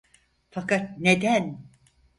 Fakat neden?